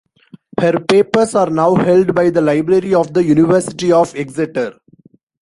Her papers are now held by the library of the University of Exeter.